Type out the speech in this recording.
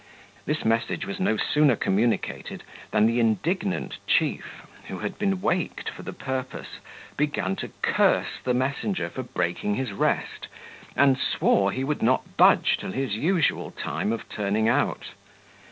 This message was no sooner communicated, than the indignant chief (who had been waked for the purpose) began to curse the messenger for breaking his rest, and swore he would not budge till his usual time of turning out.